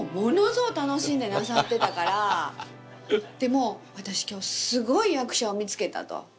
もう「私今日すごい役者を見つけた」と。